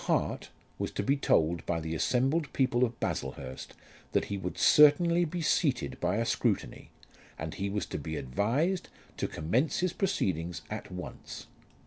Hart was to be told by the assembled people of Baslehurst that he would certainly be seated by a scrutiny, and he was to be advised to commence his proceedings at once.